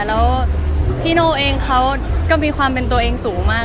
แล้วพี่โน่เองเขาก็มีความเป็นตัวเองสูงมาก